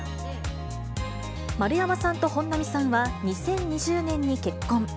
丸山さんと本並さんは２０２０年に結婚。